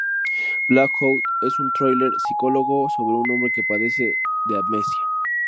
Blackout es un thriller psicológico sobre un hombre que padece de amnesia.